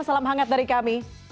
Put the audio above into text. salam hangat dari kami